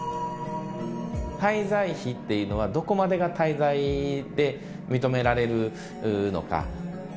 滞在費っていうのは、どこまでが滞在で認められるのか。